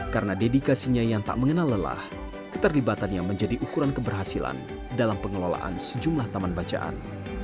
karena dedikasinya yang tak mengenal lelah keterlibatannya menjadi ukuran keberhasilan dalam pengelolaan sejumlah taman bacaan